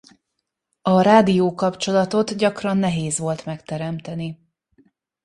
A rádiókapcsolatot gyakran nehéz volt megteremteni.